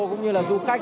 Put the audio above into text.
cũng như là du khách